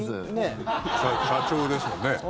社長ですもんね。